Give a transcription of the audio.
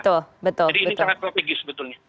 jadi ini sangat profegis sebetulnya